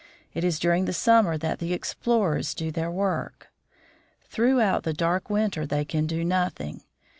It is during the summer that the explorers do their work. Through out the dark winter they can do nothing.